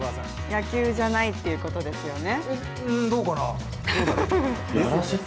野球じゃないっていうことですよね。